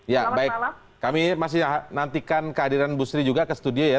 ya baik kami masih nantikan kehadiran bu sri juga ke studio ya